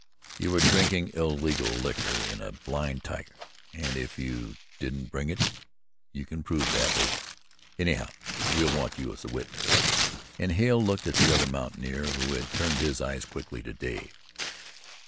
"You were drinking illegal liquor in a blind tiger, and if you didn't bring it you can prove that later. Anyhow, we'll want you as a witness," and Hale looked at the other mountaineer, who had turned his eyes quickly to Dave.